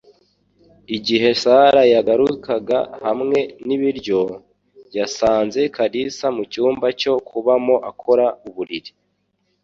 Igihe Sara yagarukaga hamwe n'ibiryo, yasanze Kalisa mu cyumba cyo kubamo akora uburiri